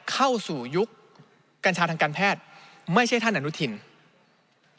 เข้าสู่ยุคกัญชาทางการแพทย์ไม่ใช่ท่านอนุญาตชีนชายบริกูล